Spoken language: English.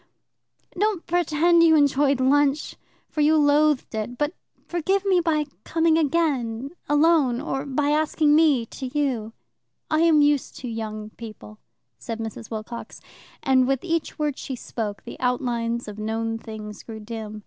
Don't pretend you enjoyed lunch, for you loathed it, but forgive me by coming again, alone, or by asking me to you." "I am used to young people," said Mrs. Wilcox, and with each word she spoke the outlines of known things grew dim.